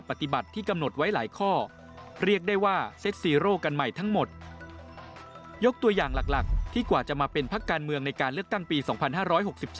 ไปติดตามพร้อมกันนะครับในไทรรัฐคู่หมื่นเลือกตั้งครับ